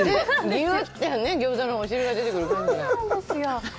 ぎゅってね、ギョーザのお汁が出てくる感じが。